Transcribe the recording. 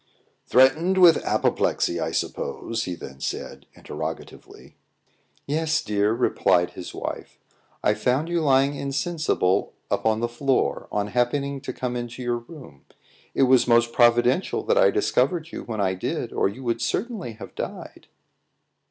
"Threatened with apoplexy, I suppose?" he then said, interrogatively. "Yes, dear," replied his wife. "I found you lying insensible upon the floor, on happening to come into your room. It was most providential that I discovered you when I did, or you would certainly have died."